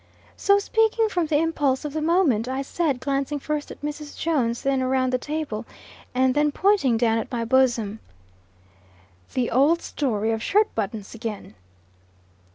So, speaking from the impulse of the moment, I said, glancing first at Mrs. Jones, then around the table, and then pointing down at my bosom, "The old story of shirt buttons again!"